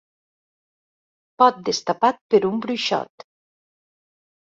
Pot destapat per un bruixot.